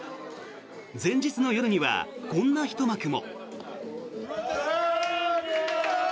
前日の夜にはこんなひと幕も。